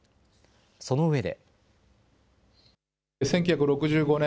そのうえで。